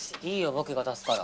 僕が出すから。